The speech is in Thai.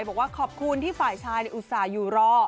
บอกว่าขอบคุณที่ฝ่ายชายอุตส่าห์อยู่รอ